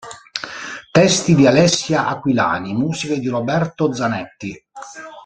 Testi di Alessia Aquilani, musiche di Roberto Zanetti.